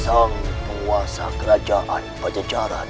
sang puasa kerajaan pencejaran